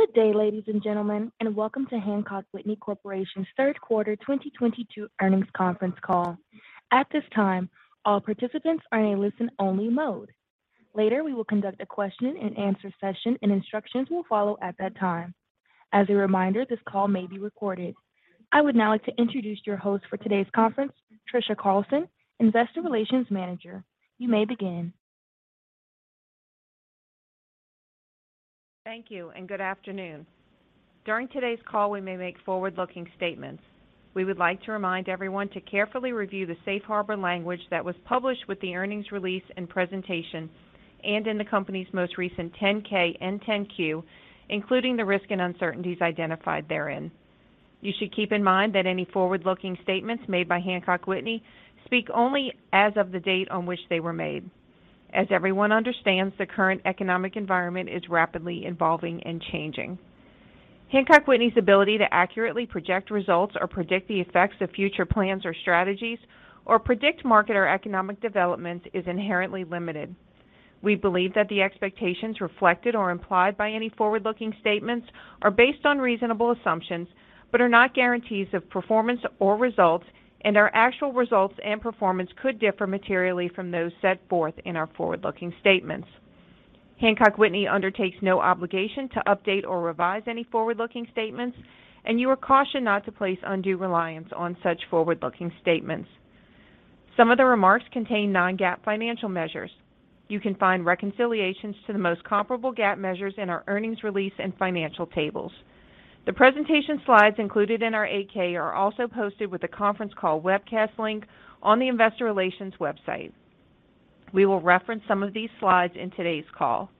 Good day, ladies and gentlemen, and welcome to Hancock Whitney Corporation's third quarter 2022 earnings conference call. At this time, all participants are in a listen-only mode. Later, we will conduct a question and answer session, and instructions will follow at that time. As a reminder, this call may be recorded. I would now like to introduce your host for today's conference, Trisha Carlson, Investor Relations Manager. You may begin. Thank you and good afternoon. During today's call, we may make forward-looking statements. We would like to remind everyone to carefully review the safe harbor language that was published with the earnings release and presentation and in the company's most recent 10-K and 10-Q, including the risks and uncertainties identified therein. You should keep in mind that any forward-looking statements made by Hancock Whitney speak only as of the date on which they were made. As everyone understands, the current economic environment is rapidly evolving and changing. Hancock Whitney's ability to accurately project results or predict the effects of future plans or strategies or predict market or economic developments is inherently limited. We believe that the expectations reflected or implied by any forward-looking statements are based on reasonable assumptions, but are not guarantees of performance or results, and our actual results and performance could differ materially from those set forth in our forward-looking statements. Hancock Whitney undertakes no obligation to update or revise any forward-looking statements, and you are cautioned not to place undue reliance on such forward-looking statements. Some of the remarks contain non-GAAP financial measures. You can find reconciliations to the most comparable GAAP measures in our earnings release and financial tables. The presentation slides included in our 8-K are also posted with the conference call webcast link on the investor relations website. We will reference some of these slides in today's call.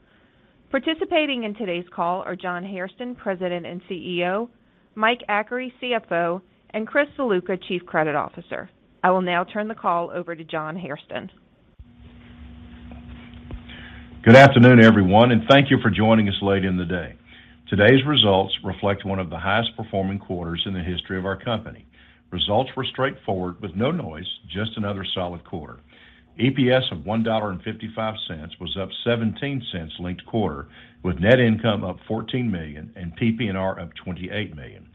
Participating in today's call are John Hairston, President and CEO, Mike Acri, CFO, and Chris DeLuca, Chief Credit Officer. I will now turn the call over to John Hairston. Good afternoon, everyone, and thank you for joining us late in the day. Today's results reflect one of the highest performing quarters in the history of our company. Results were straightforward with no noise, just another solid quarter. EPS of $1.55 was up $0.17 linked quarter, with net income up $14 million and PPNR up $28 million.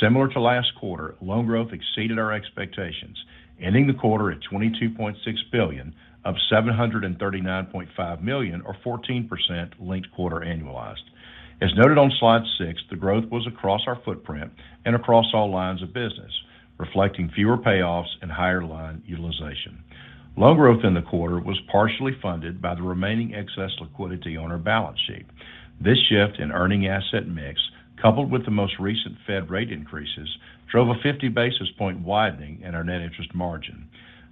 Similar to last quarter, loan growth exceeded our expectations, ending the quarter at $22.6 billion, up $739.5 million or 14% linked quarter annualized. As noted on slide 6, the growth was across our footprint and across all lines of business, reflecting fewer payoffs and higher line utilization. Loan growth in the quarter was partially funded by the remaining excess liquidity on our balance sheet. This shift in earning asset mix, coupled with the most recent Fed rate increases, drove a 50 basis point widening in our net interest margin.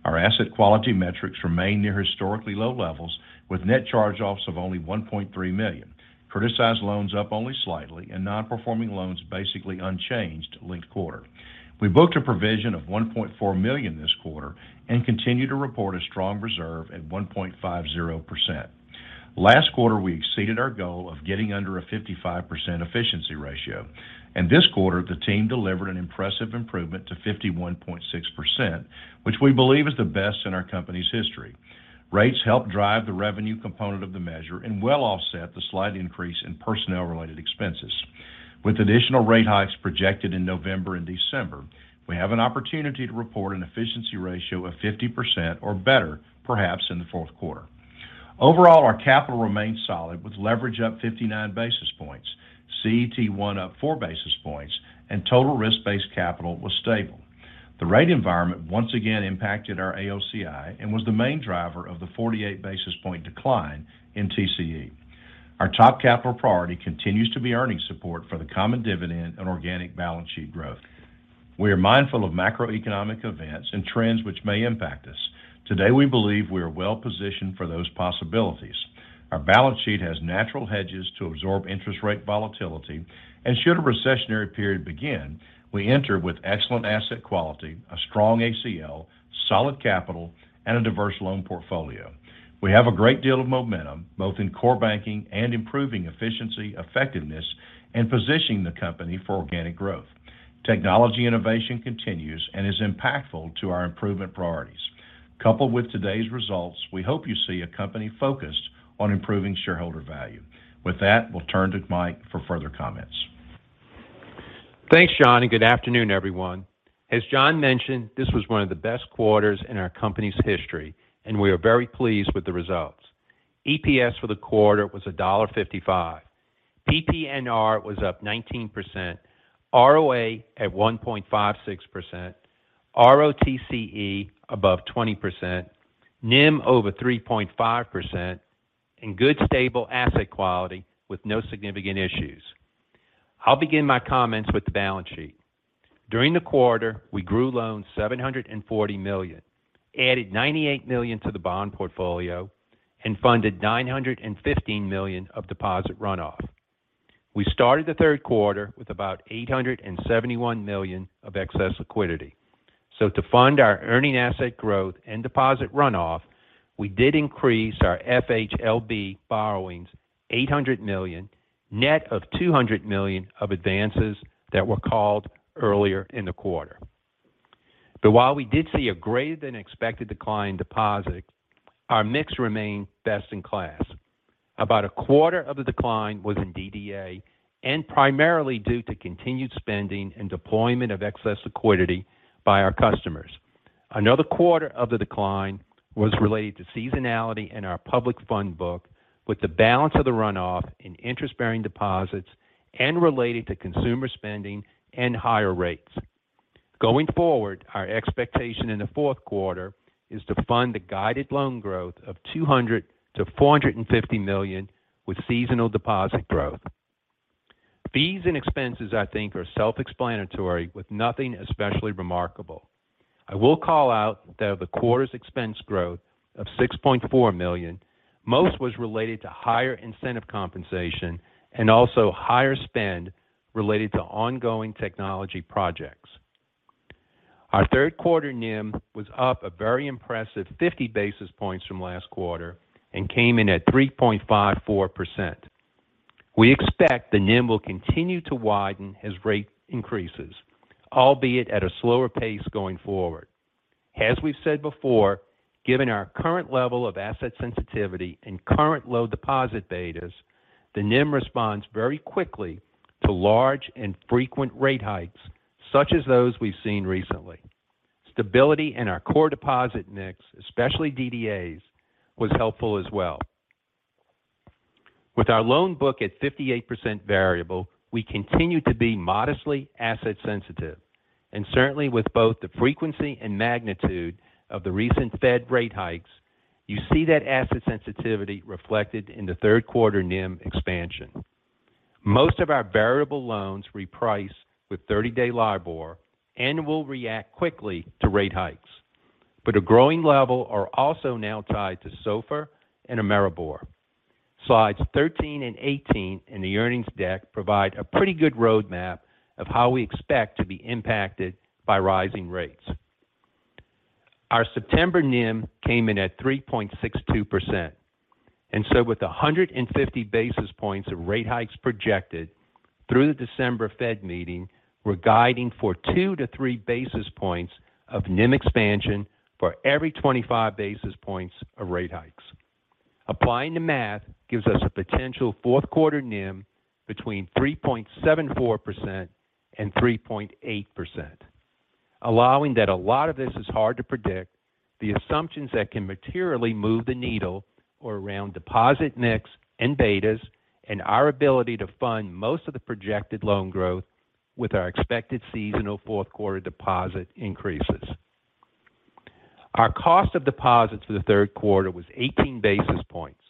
Our asset quality metrics remain near historically low levels with net charge-offs of only $1.3 million. Criticized loans up only slightly, and non-performing loans basically unchanged linked quarter. We booked a provision of $1.4 million this quarter and continue to report a strong reserve at 1.50%. Last quarter, we exceeded our goal of getting under a 55% efficiency ratio, and this quarter the team delivered an impressive improvement to 51.6%, which we believe is the best in our company's history. Rates helped drive the revenue component of the measure and well offset the slight increase in personnel related expenses. With additional rate hikes projected in November and December, we have an opportunity to report an efficiency ratio of 50% or better, perhaps in the fourth quarter. Overall, our capital remains solid with leverage up 59 basis points. CET1 up 4 basis points and total risk-based capital was stable. The rate environment once again impacted our AOCI and was the main driver of the 48 basis points decline in TCE. Our top capital priority continues to be earning support for the common dividend and organic balance sheet growth. We are mindful of macroeconomic events and trends which may impact us. Today we believe we are well positioned for those possibilities. Our balance sheet has natural hedges to absorb interest rate volatility and should a recessionary period begin, we enter with excellent asset quality, a strong ACL, solid capital and a diverse loan portfolio. We have a great deal of momentum both in core banking and improving efficiency, effectiveness and positioning the company for organic growth. Technology innovation continues and is impactful to our improvement priorities. Coupled with today's results, we hope you see a company focused on improving shareholder value. With that, we'll turn to Mike for further comments. Thanks, John, and good afternoon, everyone. As John mentioned, this was one of the best quarters in our company's history and we are very pleased with the results. EPS for the quarter was $1.55. PPNR was up 19%, ROA at 1.56%, ROTCE above 20%, NIM over 3.5%, and good stable asset quality with no significant issues. I'll begin my comments with the balance sheet. During the quarter, we grew loans $740 million, added $98 million to the bond portfolio, and funded $915 million of deposit runoff. We started the third quarter with about $871 million of excess liquidity. To fund our earning asset growth and deposit runoff, we did increase our FHLB borrowings $800 million, net of $200 million of advances that were called earlier in the quarter. While we did see a greater than expected decline in deposits, our mix remained best in class. About a quarter of the decline was in DDA and primarily due to continued spending and deployment of excess liquidity by our customers. Another quarter of the decline was related to seasonality in our public fund book with the balance of the runoff in interest-bearing deposits and related to consumer spending and higher rates. Going forward, our expectation in the fourth quarter is to fund the guided loan growth of $200 million-$450 million with seasonal deposit growth. Fees and expenses I think are self-explanatory with nothing especially remarkable. I will call out that of the quarter's expense growth of $6.4 million, most was related to higher incentive compensation and also higher spend related to ongoing technology projects. Our third quarter NIM was up a very impressive 50 basis points from last quarter and came in at 3.54%. We expect the NIM will continue to widen as rate increases, albeit at a slower pace going forward. As we've said before, given our current level of asset sensitivity and current low deposit betas, the NIM responds very quickly to large and frequent rate hikes such as those we've seen recently. Stability in our core deposit mix, especially DDAs, was helpful as well. With our loan book at 58% variable, we continue to be modestly asset sensitive. Certainly with both the frequency and magnitude of the recent Fed rate hikes, you see that asset sensitivity reflected in the third quarter NIM expansion. Most of our variable loans reprice with thirty-day LIBOR and will react quickly to rate hikes. A growing level are also now tied to SOFR and AMERIBOR. Slides 13 and 18 in the earnings deck provide a pretty good roadmap of how we expect to be impacted by rising rates. Our September NIM came in at 3.62%. With 150 basis points of rate hikes projected through the December Fed meeting, we're giding for teo-3 basis points of NIM expansion for every 25 basis points of rate hikes. Applying the math gives us a potential fourth quarter NIM between 3.74% and 3.8%. Allowing that a lot of this is hard to predict, the assumptions that can materially move the needle are around deposit mix and betas and our ability to fund most of the projected loan growth with our expected seasonal fourth quarter deposit increases. Our cost of deposits for the third quarter was 18 basis points,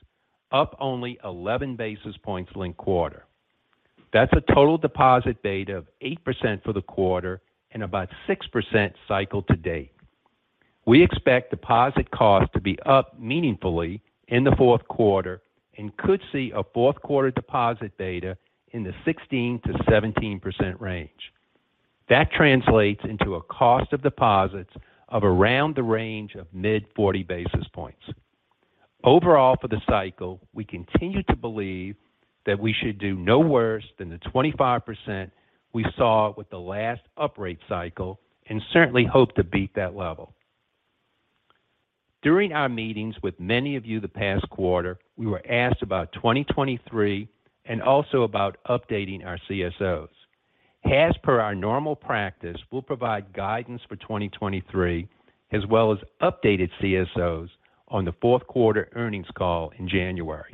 up only 11 basis points linked quarter. That's a total deposit beta of 8% for the quarter and about 6% cycle to date. We expect deposit costs to be up meaningfully in the fourth quarter and could see a fourth quarter deposit beta in the 16%-17% range. That translates into a cost of deposits of around the range of mid-40 basis points. Overall for the cycle, we continue to believe that we should do no worse than the 25% we saw with the last uprate cycle, and certainly hope to beat that level. During our meetings with many of you the past quarter, we were asked about 2023 and also about updating our CSOs. As per our normal practice, we'll provide guidance for 2023 as well as updated CSOs on the fourth quarter earnings call in January.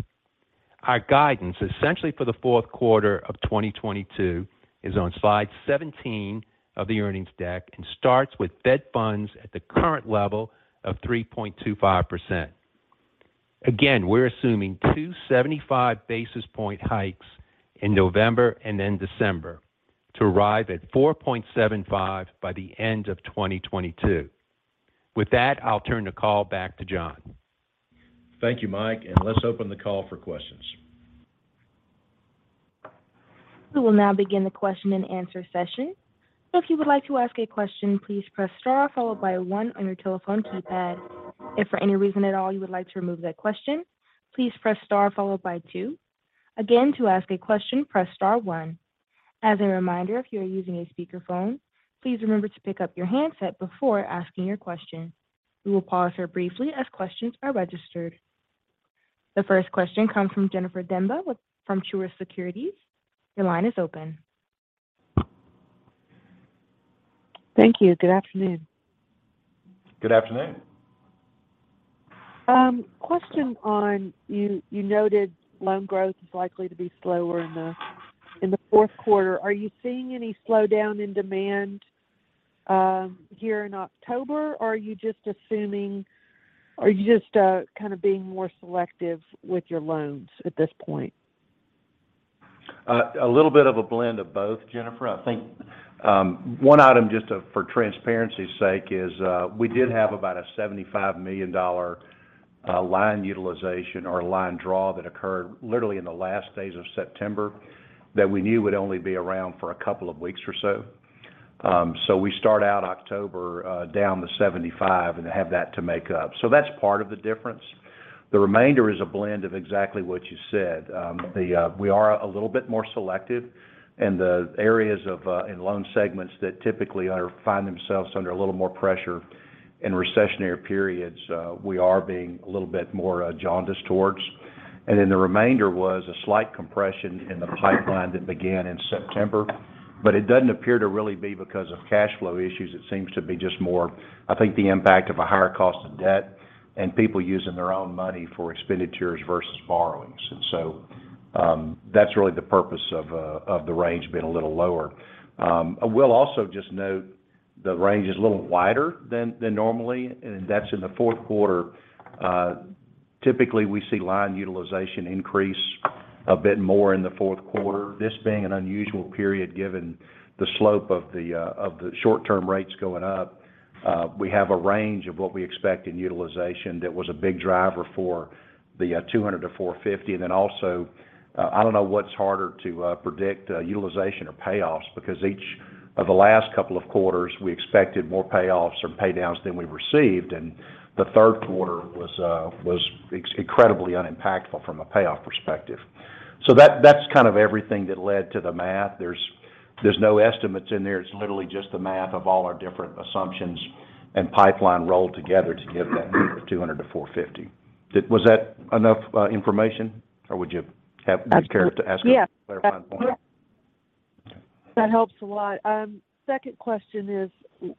Our guidance, essentially for the fourth quarter of 2022, is on slide 17 of the earnings deck and starts with Fed funds at the current level of 3.25%. Again, we're assuming 275 basis point hikes in November and then December to arrive at 4.75% by the end of 2022. With that, I'll turn the call back to John. Thank you, Mike, and let's open the call for questions. We will now begin the question and answer session. If you would like to ask a question, please press star followed by one on your telephone keypad. If for any reason at all you would like to remove that question, please press star followed by two. Again, to ask a question, press star one. As a reminder, if you are using a speakerphone, please remember to pick up your handset before asking your question. We will pause here briefly as questions are registered. The first question comes from Jennifer Demba with Truist Securities. Your line is open. Thank you. Good afternoon. Good afternoon. Question for you noted loan growth is likely to be slower in the fourth quarter. Are you seeing any slowdown in demand here in October? Or are you just kind of being more selective with your loans at this point? A little bit of a blend of both, Jennifer. I think one item just for transparency's sake is we did have about a $75 million line utilization or line draw that occurred literally in the last days of September that we knew would only be around for a couple of weeks or so. We start out October down the 75 and have that to make up. That's part of the difference. The remainder is a blend of exactly what you said. We are a little bit more selective in the areas of, in loan segments that typically find themselves under a little more pressure in recessionary periods, we are being a little bit more jaundiced towards. The remainder was a slight compression in the pipeline that began in September. It doesn't appear to really be because of cash flow issues. It seems to be just more, I think, the impact of a higher cost of debt and people using their own money for expenditures versus borrowings. That's really the purpose of the range being a little lower. I will also just note the range is a little wider than normally, and that's in the fourth quarter. Typically, we see line utilization increase a bit more in the fourth quarter. This being an unusual period given the slope of the short-term rates going up, we have a range of what we expect in utilization that was a big driver for the 200-450. I don't know what's harder to predict, utilization or payoffs because each of the last couple of quarters, we expected more payoffs or pay downs than we received, and the third quarter was exceptionally unimpactful from a payoff perspective. That's kind of everything that led to the math. There's no estimates in there. It's literally just the math of all our different assumptions and pipeline rolled together to give that range of $200-$450. Was that enough information, or would you care to ask a clarifying point? Yeah. Okay. That helps a lot. Second question is,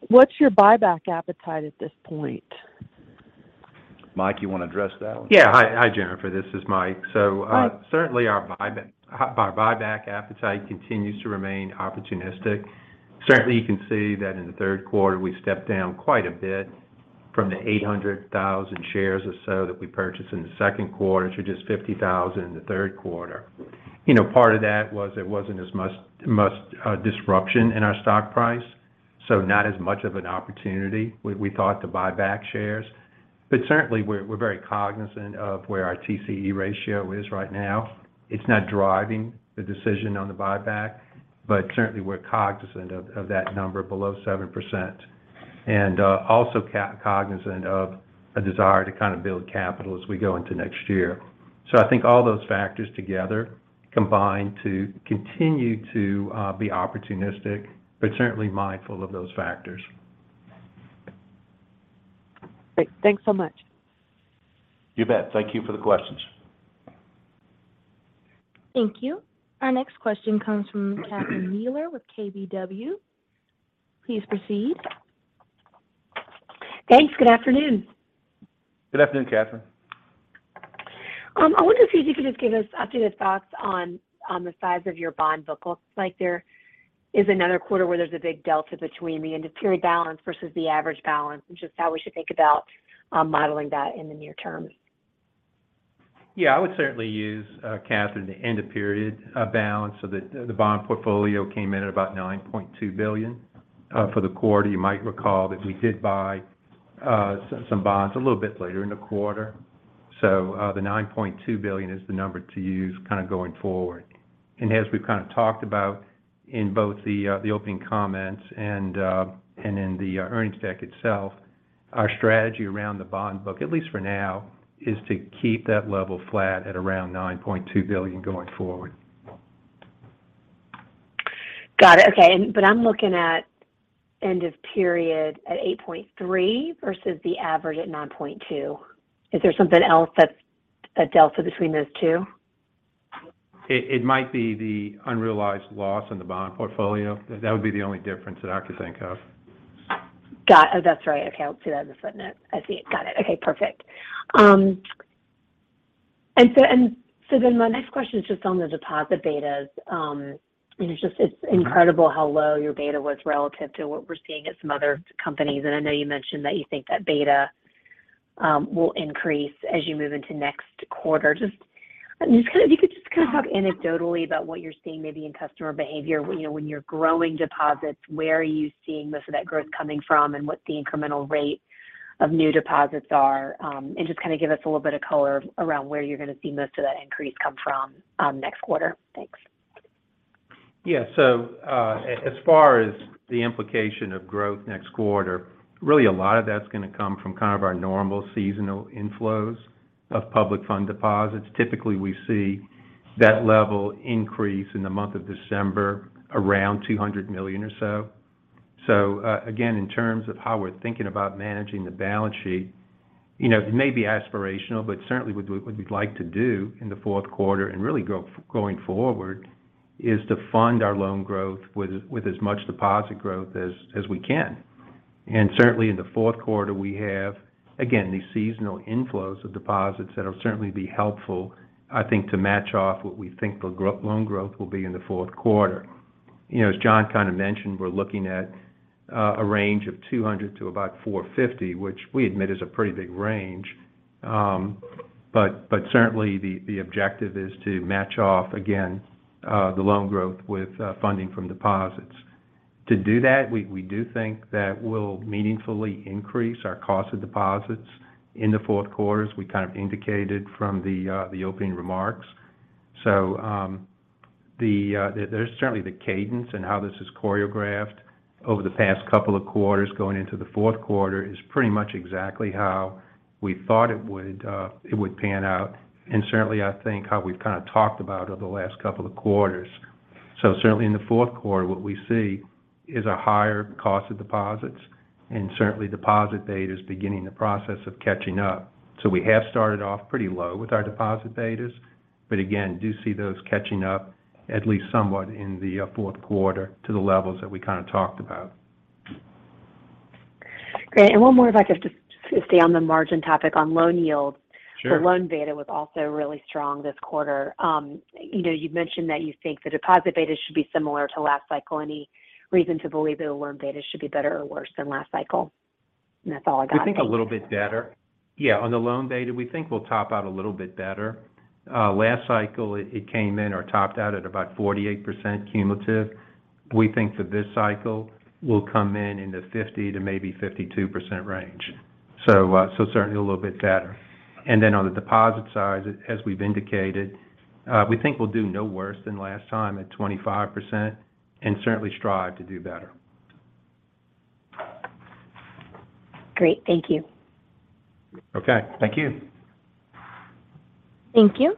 what's your buyback appetite at this point? Mike, you want to address that one? Yeah. Hi, Jennifer. This is Mike. Hi Certainly, our buyback appetite continues to remain opportunistic. Certainly, you can see that in the third quarter, we stepped down quite a bit from the 800,000 shares or so that we purchased in the second quarter to just 50,000 in the third quarter. You know, part of that was there wasn't as much disruption in our stock price, so not as much of an opportunity we thought to buy back shares. But certainly, we're very cognizant of where our TCE ratio is right now. It's not driving the decision on the buyback, but certainly we're cognizant of that number below 7%. Also cognizant of a desire to kind of build capital as we go into next year. I think all those factors together combine to continue to be opportunistic, but certainly mindful of those factors. Great. Thanks so much. You bet. Thank you for the questions. Thank you. Our next question comes from Kathryn Mistich with KBW. Please proceed. Thanks. Good afternoon. Good afternoon, Kathryn. I wonder if you could just give us updated thoughts on the size of your bond book. Looks like there is another quarter where there's a big delta between the end-of-period balance versus the average balance, and just how we should think about modeling that in the near term. Yeah. I would certainly use, Kathryn, the end-of-period balance so that the bond portfolio came in at about $9.2 billion for the quarter. You might recall that we did buy some bonds a little bit later in the quarter. The $9.2 billion is the number to use kind of going forward. As we've kind of talked about in both the opening comments and in the earnings deck itself, our strategy around the bond book, at least for now, is to keep that level flat at around $9.2 billion going forward. Got it. Okay. I'm looking at end of period at 8.3% versus the average at 9.2%. Is there something else that's a delta between those two? It might be the unrealized loss in the bond portfolio. That would be the only difference that I could think of. Got it. That's right. Okay. I see that in the footnote. I see it. Got it. Okay, perfect. My next question is just on the deposit betas. It's incredible how low your beta was relative to what we're seeing at some other companies. I know you mentioned that you think that beta will increase as you move into next quarter. If you could just kind of talk anecdotally about what you're seeing maybe in customer behavior. You know, when you're growing deposits, where are you seeing most of that growth coming from and what the incremental rate of new deposits are, and just kind of give us a little bit of color around where you're gonna see most of that increase come from, next quarter. Thanks. Yeah. As far as the implication of growth next quarter, really a lot of that's gonna come from kind of our normal seasonal inflows of public fund deposits. Typically, we see that level increase in the month of December around $200 million or so. Again, in terms of how we're thinking about managing the balance sheet, you know, it may be aspirational, but certainly what we would like to do in the fourth quarter and really going forward is to fund our loan growth with as much deposit growth as we can. Certainly in the fourth quarter, we have again these seasonal inflows of deposits that'll certainly be helpful, I think, to match off what we think the loan growth will be in the fourth quarter. You know, as John Hairston kind of mentioned, we're looking at a range of $200 to about $450, which we admit is a pretty big range. Certainly the objective is to match off again the loan growth with funding from deposits. To do that, we do think that we'll meaningfully increase our cost of deposits in the fourth quarter as we kind of indicated from the opening remarks. There's certainly the cadence and how this is choreographed over the past couple of quarters going into the fourth quarter is pretty much exactly how we thought it would pan out. Certainly, I think how we've kind of talked about over the last couple of quarters. Certainly in the fourth quarter, what we see is a higher cost of deposits, and certainly deposit betas beginning the process of catching up. We have started off pretty low with our deposit betas, but again, do see those catching up at least somewhat in the fourth quarter to the levels that we kind of talked about. Great. One more if I could just stay on the margin topic on loan yields. Sure. The loan beta was also really strong this quarter. You know, you've mentioned that you think the deposit beta should be similar to last cycle. Any reason to believe that the loan beta should be better or worse than last cycle? That's all I got. We think a little bit better. On the loan beta, we think we'll top out a little bit better. Last cycle, it came in or topped out at about 48% cumulative. We think that this cycle will come in the 50% to maybe 52% range. So certainly a little bit better. Then on the deposit side, as we've indicated, we think we'll do no worse than last time at 25%, and certainly strive to do better. Great. Thank you. Okay. Thank you. Thank you.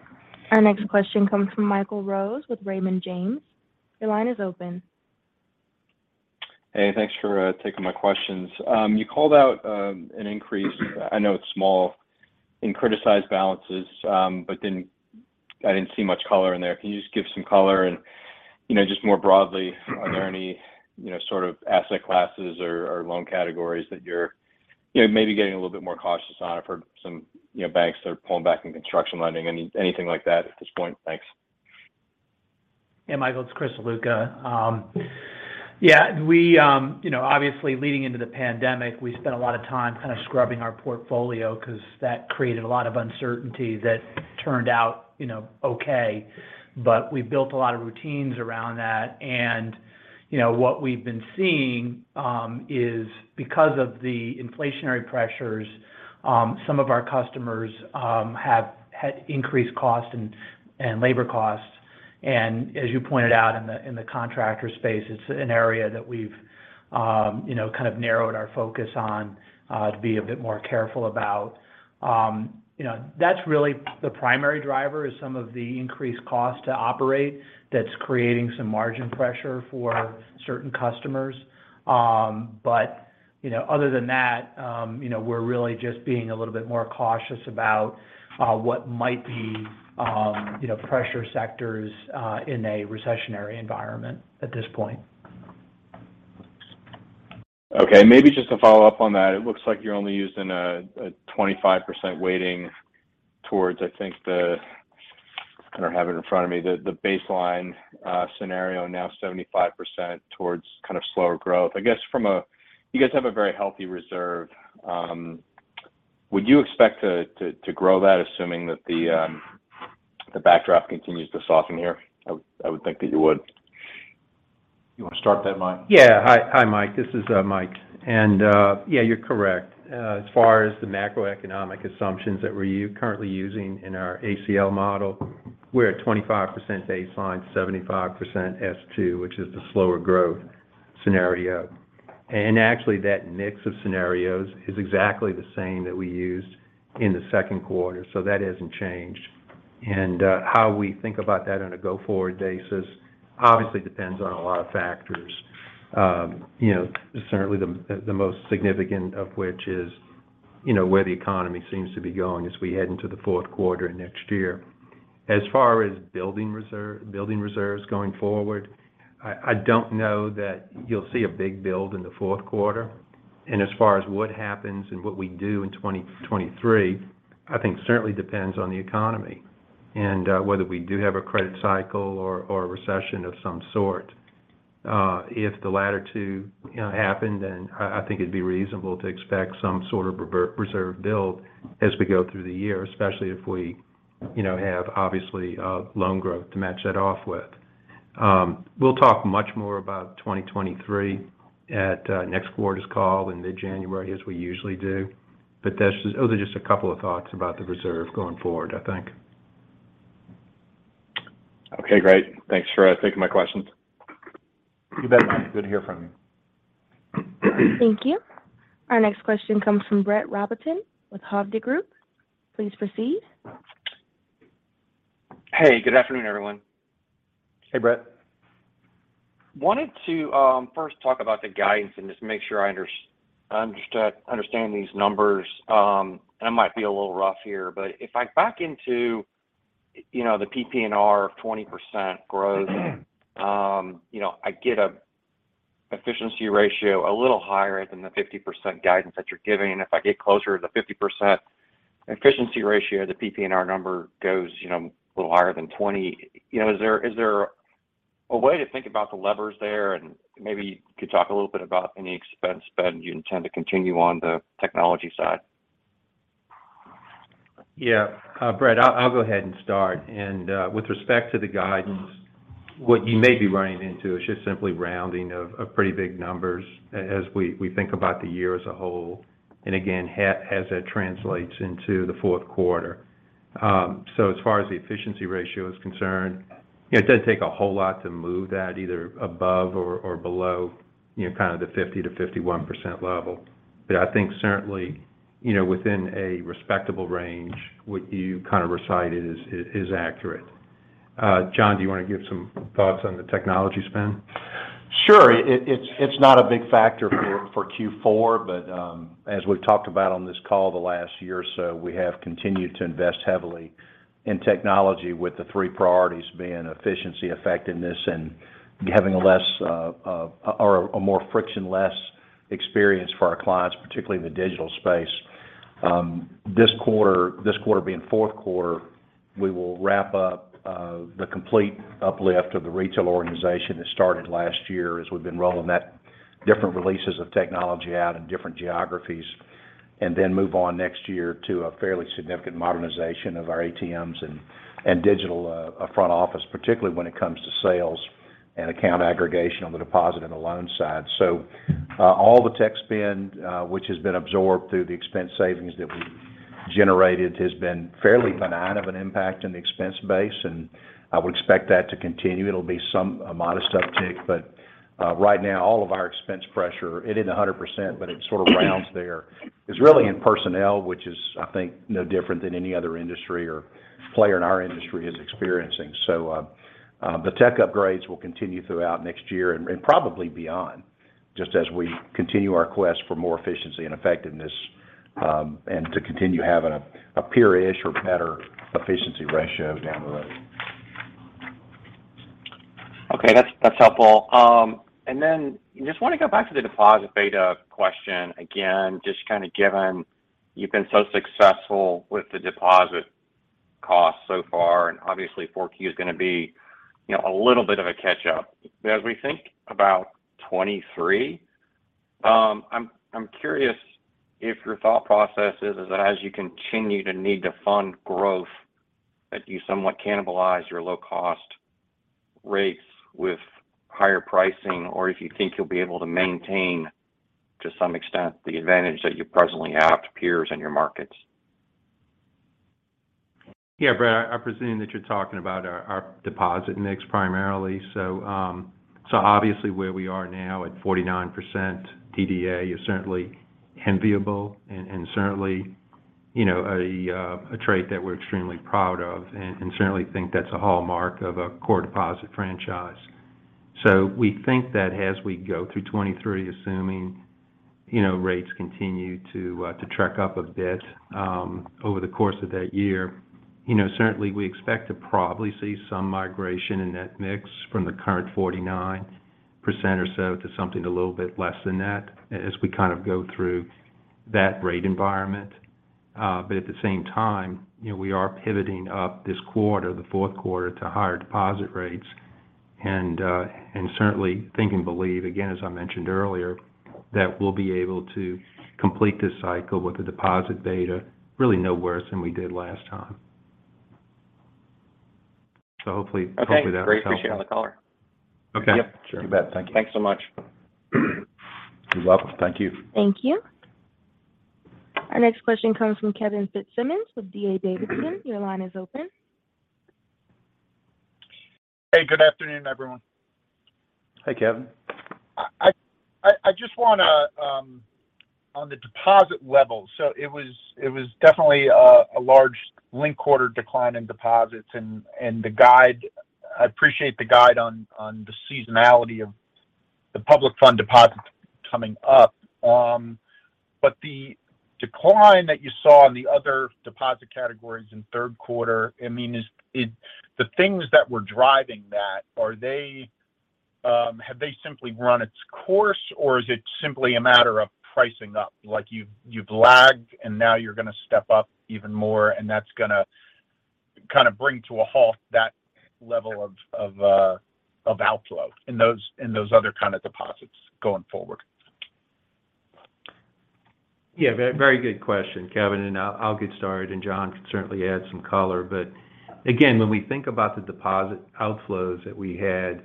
Our next question comes from Michael Rose with Raymond James. Your line is open. Hey, thanks for taking my questions. You called out an increase, I know it's small, in criticized balances, but I didn't see much color in there. Can you just give some color? You know, just more broadly, are there any sort of asset classes or loan categories that you're maybe getting a little bit more cautious on? I've heard some banks that are pulling back in construction lending. Anything like that at this point? Thanks. Yeah, Michael, it's Chris Ziluca. Yeah, we, you know, obviously leading into the pandemic, we spent a lot of time kind of scrubbing our portfolio because that created a lot of uncertainty that turned out, you know, okay. We built a lot of routines around that. You know, what we've been seeing is because of the inflationary pressures, some of our customers have had increased costs and labor costs. As you pointed out in the contractor space, it's an area that we've you know, kind of narrowed our focus on to be a bit more careful about. You know, that's really the primary driver is some of the increased cost to operate that's creating some margin pressure for certain customers. You know, other than that, you know, we're really just being a little bit more cautious about what might be pressure sectors in a recessionary environment at this point. Okay. Maybe just to follow up on that. It looks like you're only using a 25% weighting towards, I think, the baseline scenario, now 75% towards kind of slower growth. I guess you guys have a very healthy reserve. Would you expect to grow that, assuming that the backdrop continues to soften here? I would think that you would. You want to start that, Mike? Yeah. Hi, Mike. This is Mike. Yeah, you're correct. As far as the macroeconomic assumptions that we're currently using in our ACL model, we're at 25% baseline, 75% S2, which is the slower growth scenario. Actually, that mix of scenarios is exactly the same that we used in the second quarter, so that hasn't changed. How we think about that on a go-forward basis obviously depends on a lot of factors. You know, certainly the most significant of which is, you know, where the economy seems to be going as we head into the fourth quarter next year. As far as building reserves going forward, I don't know that you'll see a big build in the fourth quarter. As far as what happens and what we do in 2023, I think certainly depends on the economy and whether we do have a credit cycle or a recession of some sort. If the latter two, you know, happen, then I think it'd be reasonable to expect some sort of reserve build as we go through the year, especially if we, you know, have obviously loan growth to match that off with. We'll talk much more about 2023 at next quarter's call in mid-January as we usually do. Those are just a couple of thoughts about the reserve going forward, I think. Okay, great. Thanks for taking my questions. You bet, Mike. Good to hear from you. Thank you. Our next question comes from Brett Rabatin with Hovde Group. Please proceed. Hey, good afternoon, everyone. Hey, Brett. Wanted to first talk about the guidance and just make sure I understand these numbers. I might be a little rough here, but if I back into, you know, the PPNR of 20% growth, you know, I get an efficiency ratio a little higher than the 50% guidance that you're giving. If I get closer to the 50% efficiency ratio, the PPNR number goes, you know, a little higher than 20. You know, is there a way to think about the levers there? Maybe you could talk a little bit about any expense spend you intend to continue on the technology side. Yeah. Brett, I'll go ahead and start. With respect to the guidance, what you may be running into is just simply rounding of pretty big numbers as we think about the year as a whole. Again, has that translates into the fourth quarter. So as far as the efficiency ratio is concerned, it doesn't take a whole lot to move that either above or below, you know, kind of the 50%-51% level. But I think certainly, you know, within a respectable range, what you kind of recited is accurate. John, do you want to give some thoughts on the technology spend? Sure. It's not a big factor for Q4, but as we've talked about on this call the last year or so, we have continued to invest heavily in technology with the three priorities being efficiency, effectiveness, and a more frictionless experience for our clients, particularly in the digital space. This quarter being fourth quarter, we will wrap up the complete uplift of the retail organization that started last year as we've been rolling out different releases of technology in different geographies. Next year we will move on to a fairly significant modernization of our ATMs and digital front office, particularly when it comes to sales and account aggregation on the deposit and the loan side. All the tech spend, which has been absorbed through the expense savings that we generated has been fairly benign of an impact in the expense base, and I would expect that to continue. It'll be a modest uptick, but right now, all of our expense pressure, it isn't 100%, but it sort of rounds there. It's really in personnel, which is, I think, no different than any other industry or player in our industry is experiencing. The tech upgrades will continue throughout next year and probably beyond, just as we continue our quest for more efficiency and effectiveness, and to continue having a peer-ish or better efficiency ratio down the road. Okay. That's helpful. Just want to go back to the deposit beta question again, just kind of given you've been so successful with the deposit costs so far, and obviously 4Q is going to be, you know, a little bit of a catch-up. As we think about 2023, I'm curious if your thought process is that as you continue to need to fund growth, that you somewhat cannibalize your low-cost rates with higher pricing, or if you think you'll be able to maintain, to some extent, the advantage that you presently have to peers in your markets. Yeah. Brad, I'm presuming that you're talking about our deposit mix primarily. Obviously where we are now at 49% DDA is certainly enviable and certainly, you know, a trait that we're extremely proud of, and certainly think that's a hallmark of a core deposit franchise. We think that as we go through 2023, assuming, you know, rates continue to trek up a bit over the course of that year. You know, certainly, we expect to probably see some migration in that mix from the current 49% or so to something a little bit less than that as we kind of go through that rate environment. At the same time, you know, we are pivoting up this quarter, the fourth quarter, to higher deposit rates. Certainly think and believe, again, as I mentioned earlier, that we'll be able to complete this cycle with the deposit beta really no worse than we did last time. Hopefully that helps. Okay. Great. Appreciate all the color. Okay. Yep. You bet. Thank you. Thanks so much. You're welcome. Thank you. Thank you. Our next question comes from Kevin Fitzsimmons with D.A. Davidson. Your line is open. Hey, good afternoon, everyone. Hey, Kevin. I just wanna on the deposit level. It was definitely a large linked-quarter decline in deposits and the guide. I appreciate the guide on the seasonality of the public fund deposits coming up. The decline that you saw in the other deposit categories in third quarter, I mean, is it the things that were driving that, have they simply run its course or is it simply a matter of pricing up? Like you've lagged and now you're going to step up even more and that's gonna kind of bring to a halt that level of outflow in those other kind of deposits going forward. Yeah, very good question, Kevin, and I'll get started, and John can certainly add some color. Again, when we think about the deposit outflows that we had,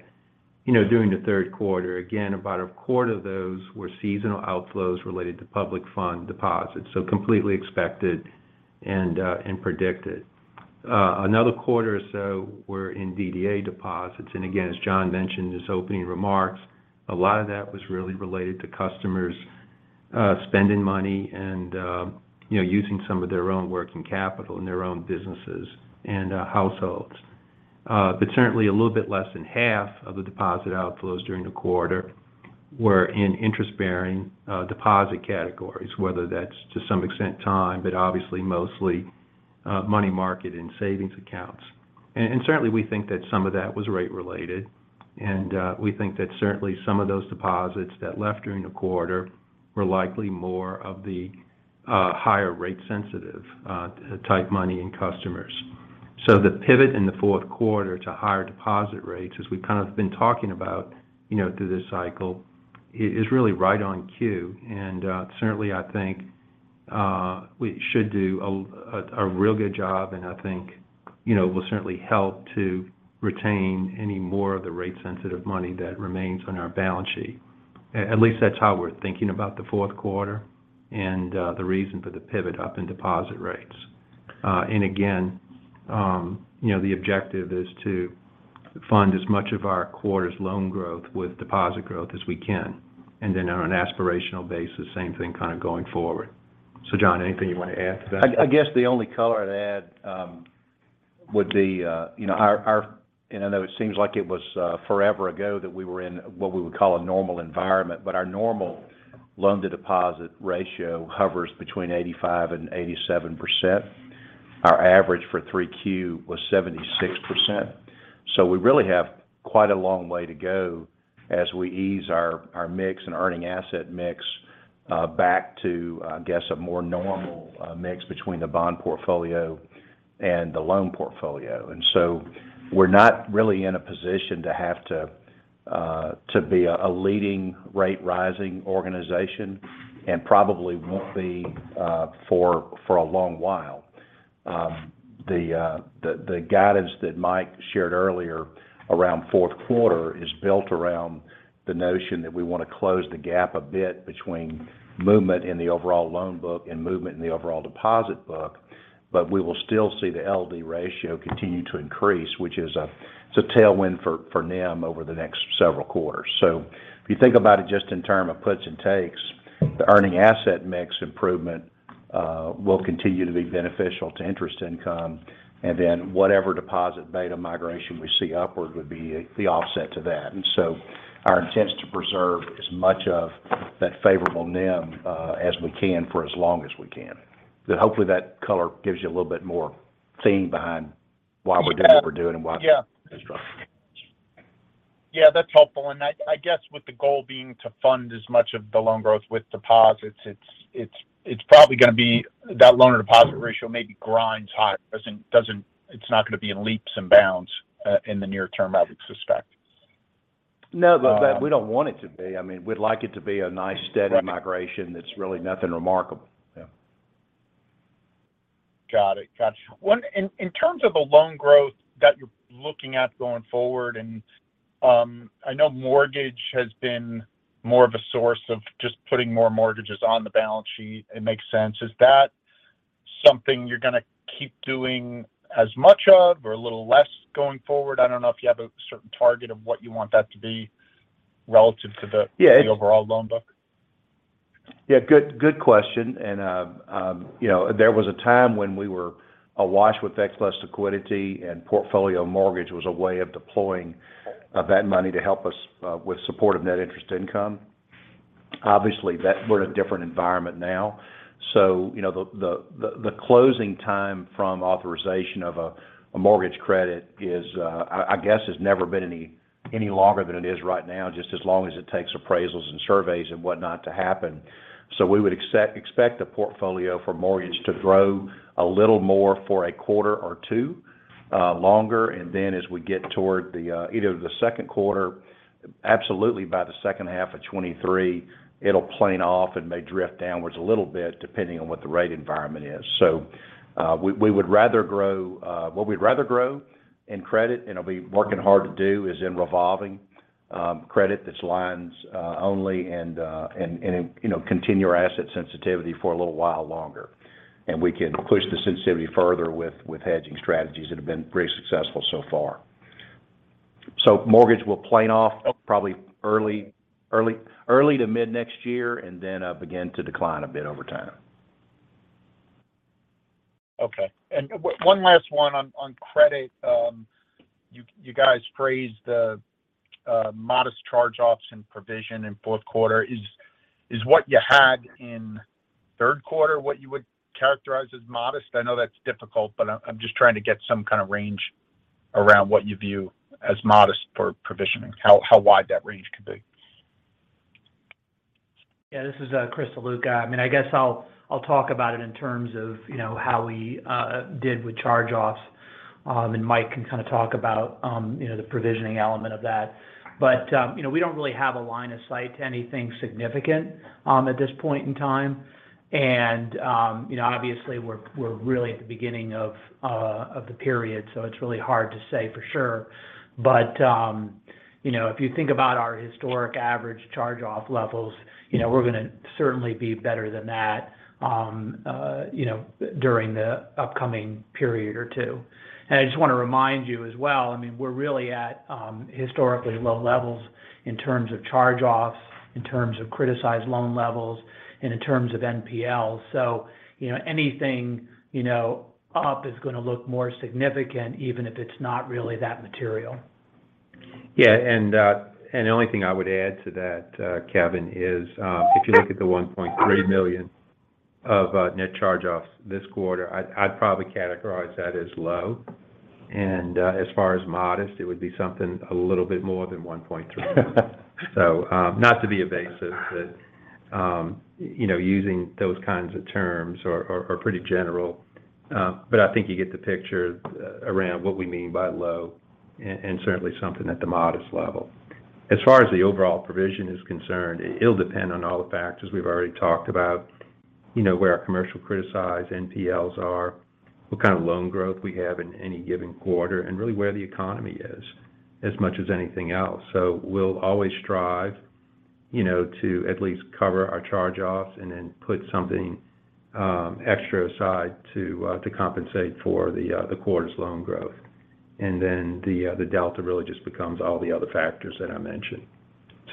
you know, during the third quarter, again, about a quarter of those were seasonal outflows related to public fund deposits. So completely expected and predicted. Another quarter or so were in DDA deposits, and again, as John mentioned in his opening remarks, a lot of that was really related to customers spending money and, you know, using some of their own working capital in their own businesses and households. But certainly a little bit less than half of the deposit outflows during the quarter were in interest-bearing deposit categories, whether that's to some extent time, but obviously mostly money market and savings accounts. Certainly, we think that some of that was rate related. We think that certainly some of those deposits that left during the quarter were likely more of the higher rate sensitive type money in customers. The pivot in the fourth quarter to higher deposit rates, as we've kind of been talking about, you know, through this cycle, is really right on cue. Certainly I think we should do a real good job, and I think You know, will certainly help to retain any more of the rate-sensitive money that remains on our balance sheet. At least that's how we're thinking about the fourth quarter and, the reason for the pivot up in deposit rates. And again, you know, the objective is to fund as much of our quarter's loan growth with deposit growth as we can, and then on an aspirational basis, same thing kind of going forward. John, anything you want to add to that? I guess the only color I'd add would be, you know, and I know it seems like it was forever ago that we were in what we would call a normal environment, but our normal loan-to-deposit ratio hovers between 85%-87%. Our average for 3Q was 76%. We really have quite a long way to go as we ease our mix and earning asset mix back to, I guess, a more normal mix between the bond portfolio and the loan portfolio. We're not really in a position to have to be a leading rate-rising organization and probably won't be for a long while. The guidance that Mike shared earlier around fourth quarter is built around the notion that we want to close the gap a bit between movement in the overall loan book and movement in the overall deposit book, but we will still see the Loan-to-Deposit Ratio continue to increase, which is a tailwind for NIM over the next several quarters. If you think about it just in terms of puts and takes, the earning asset mix improvement will continue to be beneficial to interest income, and then whatever deposit beta migration we see upward would be the offset to that. Our intent is to preserve as much of that favorable NIM as we can for as long as we can. Hopefully that color gives you a little bit more theme behind why we're doing what we're doing and why. Yeah. this structure. Yeah, that's helpful. I guess with the goal being to fund as much of the loan growth with deposits, it's probably gonna be that loan-to-deposit ratio maybe grinds higher. It's not gonna be in leaps and bounds in the near term, I would suspect. No. We don't want it to be. I mean, we'd like it to be a nice, steady migration that's really nothing remarkable. Yeah. Got it. Gotcha. In terms of the loan growth that you're looking at going forward, I know mortgage has been more of a source of just putting more mortgages on the balance sheet. It makes sense. Is that something you're gonna keep doing as much of or a little less going forward? I don't know if you have a certain target of what you want that to be relative to the Yeah. the overall loan book. Yeah, good question. You know, there was a time when we were awash with excess liquidity, and portfolio mortgage was a way of deploying that money to help us with support of net interest income. Obviously, that. We're in a different environment now. You know, the closing time from authorization of a mortgage credit is, I guess has never been any longer than it is right now, just as long as it takes appraisals and surveys and whatnot to happen. We would expect the portfolio for mortgage to grow a little more for a quarter or two longer, and then as we get toward either the second quarter, absolutely by the second half of 2023, it'll plateau and may drift downwards a little bit depending on what the rate environment is. We would rather grow what we'd rather grow in credit, and it'll be working hard to do, is in revolving credit that's lines only and you know continue our asset sensitivity for a little while longer. We can push the sensitivity further with hedging strategies that have been pretty successful so far. Mortgage will plateau probably early to mid next year and then begin to decline a bit over time. Okay. One last one on credit. You guys praised the modest charge-offs and provision in fourth quarter. Is what you had in third quarter what you would characterize as modest? I know that's difficult, but I'm just trying to get some kind of range around what you view as modest for provisioning, how wide that range could be. Yeah, this is Chris Ziluca. I mean, I guess I'll talk about it in terms of, you know, how we did with charge-offs, and Mike can kind of talk about, you know, the provisioning element of that. You know, we don't really have a line of sight to anything significant at this point in time. You know, obviously, we're really at the beginning of the period, so it's really hard to say for sure. You know, if you think about our historic average charge-off levels, you know, we're gonna certainly be better than that, you know, during the upcoming period or two. I just want to remind you as well, I mean, we're really at historically low levels in terms of charge-offs, in terms of criticized loan levels, and in terms of NPLs. You know, anything, you know, up is gonna look more significant, even if it's not really that material. Yeah. The only thing I would add to that, Kevin, is if you look at the $1.3 million of net charge-offs this quarter, I'd probably categorize that as low. As far as modest, it would be something a little bit more than $1.3 million. Not to be evasive, but you know, using those kinds of terms are pretty general. But I think you get the picture around what we mean by low and certainly something at the modest level. As far as the overall provision is concerned, it'll depend on all the factors we've already talked about. You know, where our commercial criticized NPLs are, what kind of loan growth we have in any given quarter, and really where the economy is as much as anything else. We'll always strive, you know, to at least cover our charge-offs and then put something extra aside to compensate for the quarter's loan growth. The delta really just becomes all the other factors that I mentioned.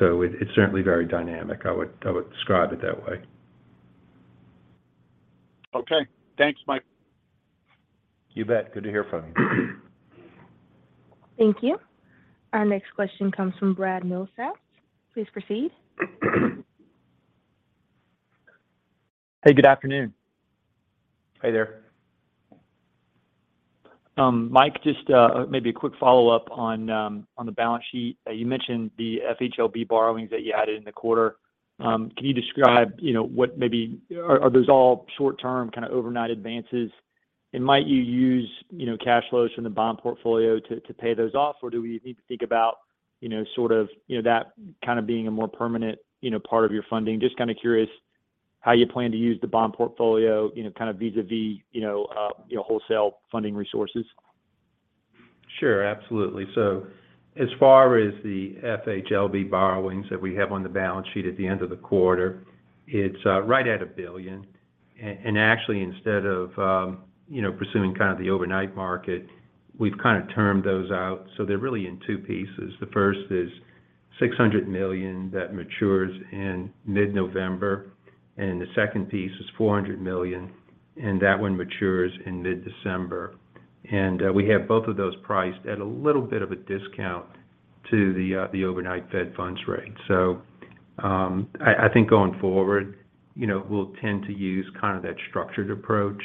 It's certainly very dynamic. I would describe it that way. Okay. Thanks, Mike. You bet. Good to hear from you. Thank you. Our next question comes from Brad Milsaps. Please proceed. Hey, good afternoon. Hi there. Mike, just maybe a quick follow-up on the balance sheet. You mentioned the FHLB borrowings that you added in the quarter. Can you describe what, maybe, are those all short-term kind of overnight advances? Might you use cash flows from the bond portfolio to pay those off? Or do we need to think about that kind of being a more permanent part of your funding? Just kind of curious how you plan to use the bond portfolio vis-à-vis wholesale funding resources. Sure. Absolutely. As far as the FHLB borrowings that we have on the balance sheet at the end of the quarter, it's right at $1 billion. And actually, instead of, you know, pursuing kind of the overnight market, we've kind of termed those out. They're really in two pieces. The first is $600 million that matures in mid-November, and the second piece is $400 million, and that one matures in mid-December. We have both of those priced at a little bit of a discount to the overnight Fed funds rate. I think going forward, you know, we'll tend to use kind of that structured approach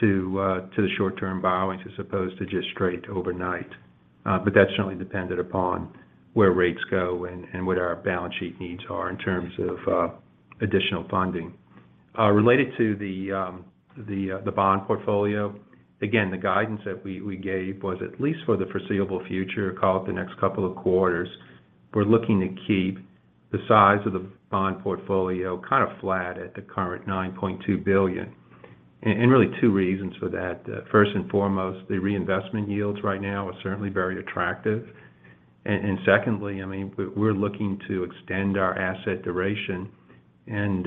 to the short-term borrowings as opposed to just straight overnight. That's certainly dependent upon where rates go and what our balance sheet needs are in terms of additional funding. Related to the bond portfolio, again, the guidance that we gave was at least for the foreseeable future, call it the next couple of quarters, we're looking to keep the size of the bond portfolio kind of flat at the current $9.2 billion. Really two reasons for that. First and foremost, the reinvestment yields right now are certainly very attractive. Secondly, I mean, we're looking to extend our asset duration and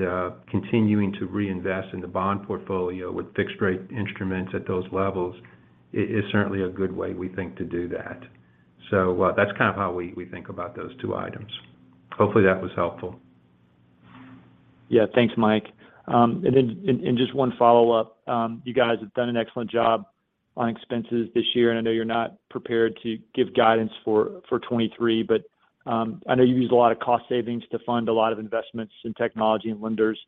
continuing to reinvest in the bond portfolio with fixed rate instruments at those levels is certainly a good way we think to do that. That's kind of how we think about those two items. Hopefully, that was helpful. Yeah. Thanks, Mike. Just one follow-up. You guys have done an excellent job on expenses this year, and I know you're not prepared to give guidance for 2023, but I know you use a lot of cost savings to fund a lot of investments in technology and lenders.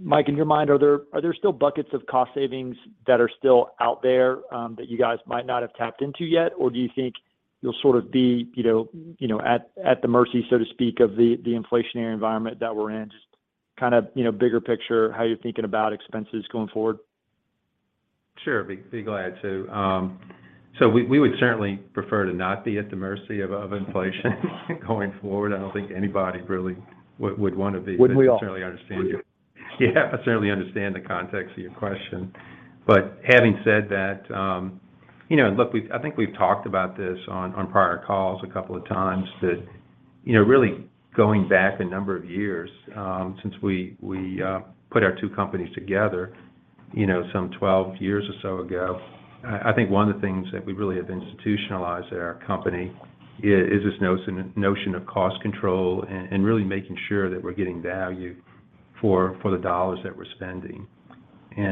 Mike, in your mind, are there still buckets of cost savings that are still out there that you guys might not have tapped into yet? Or do you think you'll sort of be, you know, at the mercy, so to speak, of the inflationary environment that we're in? Just kind of, you know, bigger picture, how you're thinking about expenses going forward. Sure. Be glad to. We would certainly prefer to not be at the mercy of inflation going forward. I don't think anybody really would want to be. Wouldn't we all. I certainly understand you. Yeah. I certainly understand the context of your question. Having said that, you know, look, I think we've talked about this on prior calls a couple of times that, you know, really going back a number of years, since we put our two companies together, you know, some 12 years or so ago. I think one of the things that we really have institutionalized at our company is this notion of cost control and really making sure that we're getting value for the dollars that we're spending. You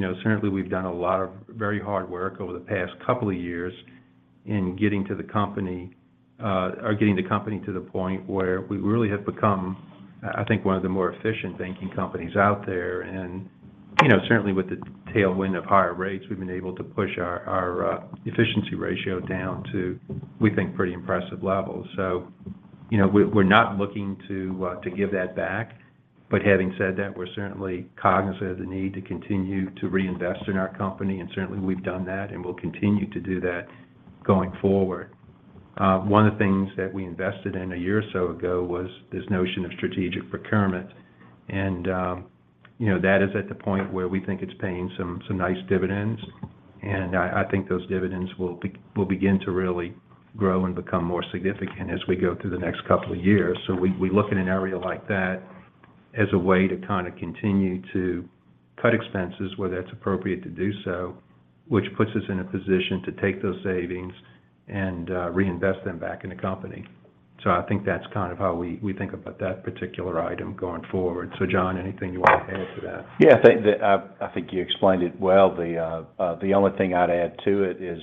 know, certainly we've done a lot of very hard work over the past couple of years in getting the company to the point where we really have become, I think one of the more efficient banking companies out there. You know, certainly with the tailwind of higher rates, we've been able to push our efficiency ratio down to, we think, pretty impressive levels. You know, we're not looking to give that back. Having said that, we're certainly cognizant of the need to continue to reinvest in our company, and certainly we've done that, and we'll continue to do that going forward. One of the things that we invested in a year or so ago was this notion of strategic procurement. You know, that is at the point where we think it's paying some nice dividends. I think those dividends will begin to really grow and become more significant as we go through the next couple of years. We look in an area like that as a way to kind of continue to cut expenses, where that's appropriate to do so, which puts us in a position to take those savings and reinvest them back in the company. I think that's kind of how we think about that particular item going forward. John, anything you want to add to that? Yeah. I think you explained it well. The only thing I'd add to it is,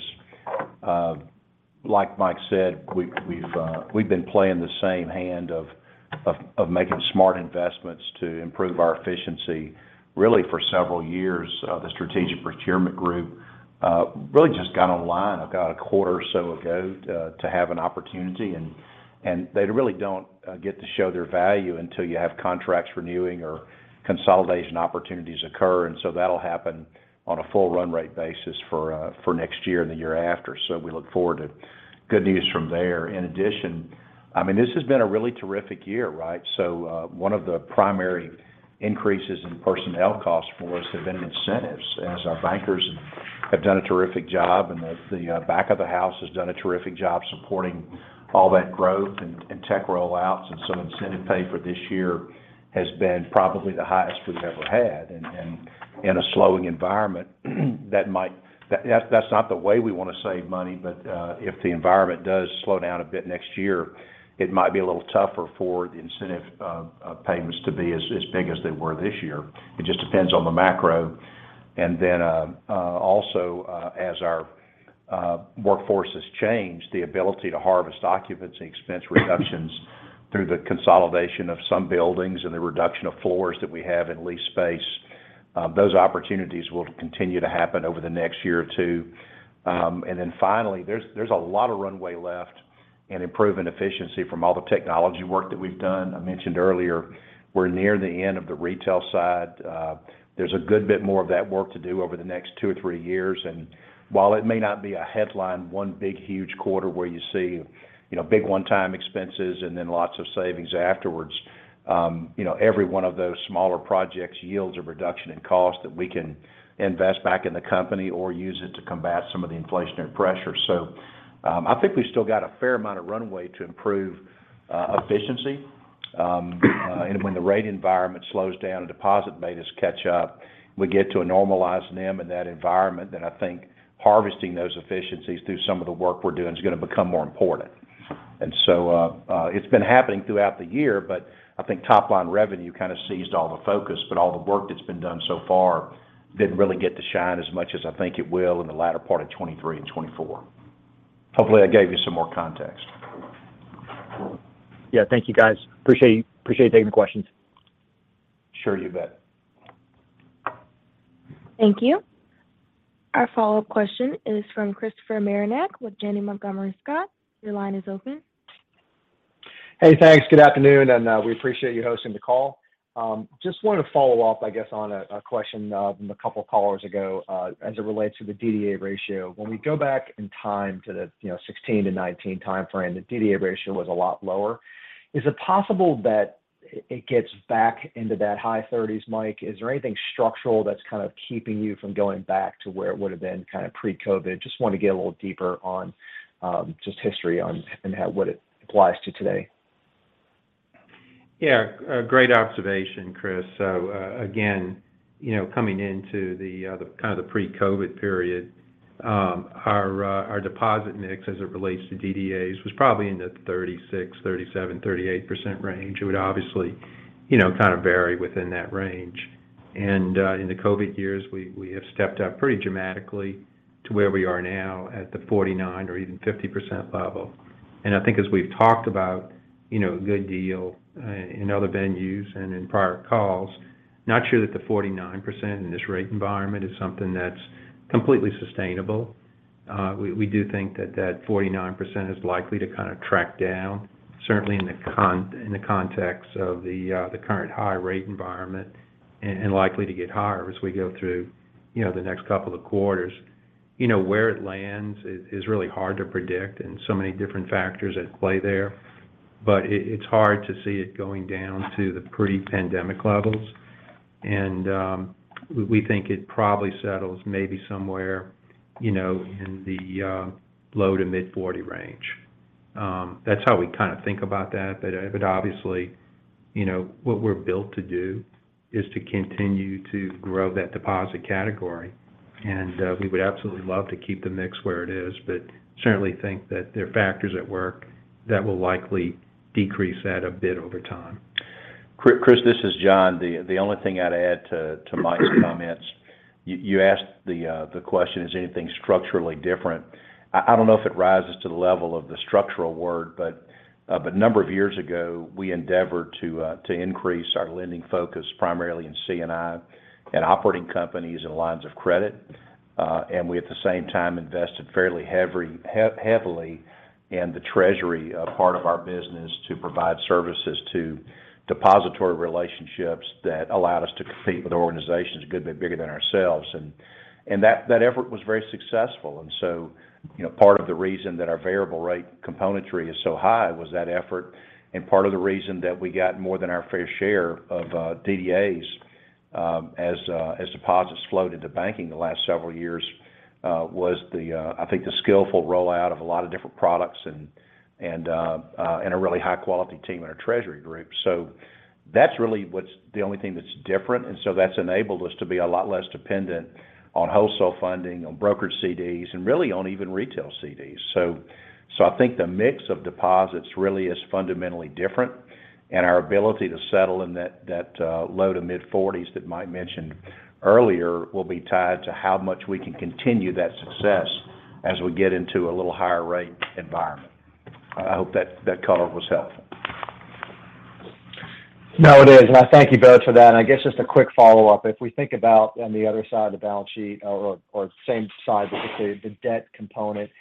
like Mike said, we've been playing the same hand of making smart investments to improve our efficiency really for several years. The strategic procurement group really just got online about a quarter or so ago to have an opportunity. They really don't get to show their value until you have contracts renewing or consolidation opportunities occur. That'll happen on a full run rate basis for next year and the year after. We look forward to good news from there. In addition, I mean, this has been a really terrific year, right? One of the primary increases in personnel costs for us have been incentives as our bankers have done a terrific job, and the back of the house has done a terrific job supporting all that growth and tech rollouts. Incentive pay for this year has been probably the highest we've ever had. In a slowing environment, that's not the way we wanna save money, but if the environment does slow down a bit next year, it might be a little tougher for the incentive payments to be as big as they were this year. It just depends on the macro. As our workforce has changed, the ability to harvest occupancy expense reductions through the consolidation of some buildings and the reduction of floors that we have in lease space, those opportunities will continue to happen over the next year or two. Finally, there's a lot of runway left in improving efficiency from all the technology work that we've done. I mentioned earlier, we're near the end of the retail side. There's a good bit more of that work to do over the next two or three years. While it may not be a headline, one big huge quarter where you see, you know, big one-time expenses and then lots of savings afterwards, you know, every one of those smaller projects yields a reduction in cost that we can invest back in the company, or use it to combat some of the inflationary pressure. I think we still got a fair amount of runway to improve efficiency. When the rate environment slows down and deposit betas catch up, we get to a normalized NIM in that environment, then I think harvesting those efficiencies through some of the work we're doing is gonna become more important. It's been happening throughout the year, but I think top line revenue kind of seized all the focus, but all the work that's been done so far didn't really get to shine as much as I think it will in the latter part of 2023 and 2024. Hopefully, I gave you some more context. Yeah. Thank you, guys. Appreciate taking the questions. Sure. You bet. Thank you. Our follow-up question is from Christopher Marinac with Janney Montgomery Scott. Your line is open. Hey, thanks. Good afternoon, and we appreciate you hosting the call. Just wanted to follow up, I guess, on a question from a couple callers ago as it relates to the DDA ratio. When we go back in time to the, you know, 2016 to 2019 timeframe, the DDA ratio was a lot lower. Is it possible that it gets back into that high thirties, Mike? Is there anything structural that's kind of keeping you from going back to where it would've been kind of pre-COVID? Just want to get a little deeper on just history on and what it applies to today. Yeah. A great observation, Chris. Again, you know, coming into the kind of the pre-COVID period, our deposit mix as it relates to DDAs was probably in the 36%-38% range. It would obviously, you know, kind of vary within that range. In the COVID years, we have stepped up pretty dramatically to where we are now at the 49% or even 50% level. I think as we've talked about, you know, a good deal in other venues and in prior calls, not sure that the 49% in this rate environment is something that's completely sustainable. We do think that 49% is likely to kind of track down, certainly in the context of the current high rate environment and likely to get higher as we go through, you know, the next couple of quarters. You know, where it lands is really hard to predict, and so many different factors at play there. It's hard to see it going down to the pre-pandemic levels. We think it probably settles maybe somewhere, you know, in the low- to mid-40% range. That's how we kind of think about that. Obviously, you know, what we're built to do is to continue to grow that deposit category. We would absolutely love to keep the mix where it is, but certainly think that there are factors at work that will likely decrease that a bit over time. Chris, this is John. The only thing I'd add to Mike's comments. You asked the question, is anything structurally different? I don't know if it rises to the level of the structural word, but a number of years ago, we endeavored to increase our lending focus primarily in C&I and operating companies and lines of credit. We, at the same time, invested fairly heavily in the treasury part of our business to provide services to depository relationships that allowed us to compete with organizations a good bit bigger than ourselves. That effort was very successful. You know, part of the reason that our variable rate componentry is so high was that effort. Part of the reason that we got more than our fair share of DDAs as deposits flowed into banking the last several years was, I think, the skillful rollout of a lot of different products and a really high quality team in our treasury group. That's really what's the only thing that's different. That's enabled us to be a lot less dependent on wholesale funding, on brokered CDs, and really on even retail CDs. I think the mix of deposits really is fundamentally different, and our ability to settle in that low- to mid-40s that Mike mentioned earlier will be tied to how much we can continue that success as we get into a little higher rate environment. I hope that color was helpful. No, it is, and I thank you both for that. I guess just a quick follow-up. If we think about on the other side of the balance sheet or same side, but just the debt component,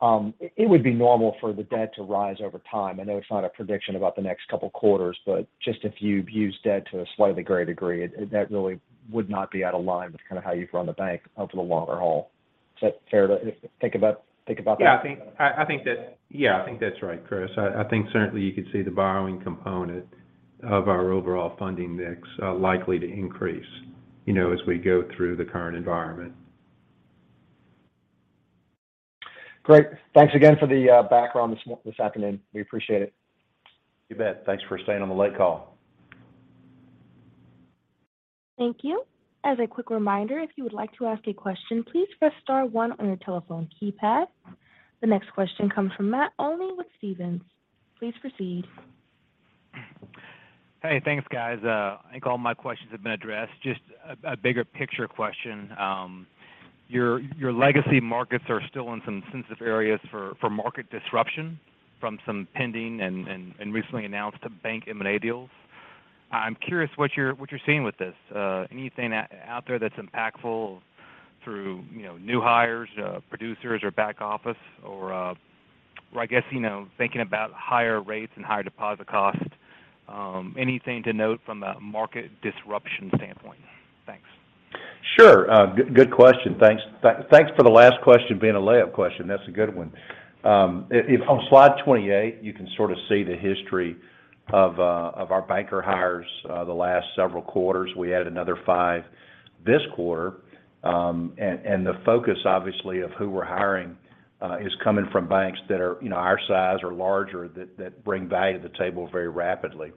it would be normal for the debt to rise over time. I know it's not a prediction about the next couple quarters, but just if you've used debt to a slightly greater degree, that really would not be out of line with kind of how you've run the bank over the longer haul. Is that fair to think about that? Yeah, I think that's right, Chris. I think certainly you could see the borrowing component of our overall funding mix likely to increase, you know, as we go through the current environment. Great. Thanks again for the background this afternoon. We appreciate it. You bet. Thanks for staying on the late call. Thank you. As a quick reminder, if you would like to ask a question, please press star one on your telephone keypad. The next question comes from Matt Olney with Stephens. Please proceed. Hey, thanks guys. I think all my questions have been addressed. Just a bigger picture question. Your legacy markets are still in some sensitive areas for market disruption from some pending and recently announced bank M&A deals. I'm curious what you're seeing with this. Anything out there that's impactful through, you know, new hires, producers or back office or. Or I guess, you know, thinking about higher rates and higher deposit costs, anything to note from the market disruption standpoint? Thanks. Sure. Good question. Thanks for the last question being a layup question. That's a good one. On slide 28, you can sort of see the history of our banker hires, the last several quarters. We added another five this quarter. The focus obviously of who we're hiring is coming from banks that are, you know, our size or larger that bring value to the table very rapidly.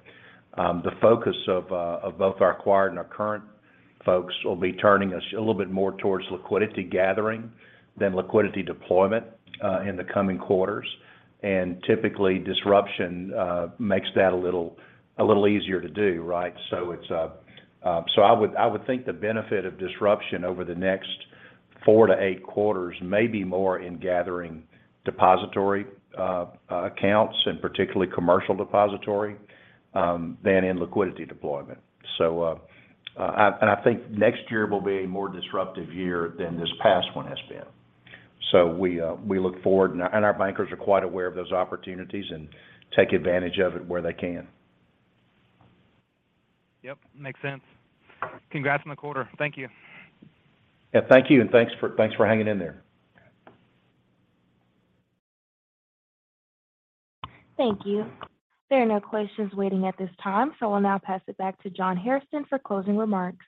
The focus of both our acquired and our current folks will be turning us a little bit more towards liquidity gathering than liquidity deployment in the coming quarters. Typically, disruption makes that a little easier to do, right? I would think the benefit of disruption over the next four to eight quarters may be more in gathering deposit accounts and particularly commercial deposit than in liquidity deployment. I think next year will be a more disruptive year than this past one has been. We look forward and our bankers are quite aware of those opportunities and take advantage of it where they can. Yep, makes sense. Congrats on the quarter. Thank you. Yeah, thank you. Thanks for hanging in there. Thank you. There are no questions waiting at this time, so we'll now pass it back to John Hairston for closing remarks.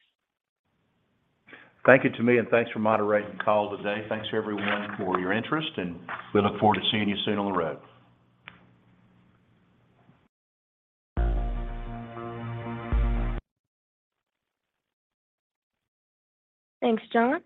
Thank you to me, and thanks for moderating the call today. Thanks everyone for your interest, and we look forward to seeing you soon on the road. Thanks, John.